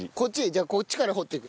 じゃあこっちから掘っていく。